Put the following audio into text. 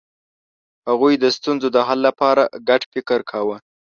هغوی د ستونزو د حل لپاره ګډ فکر کاوه.